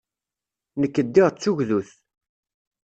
Nekk ddiɣ d tugdut.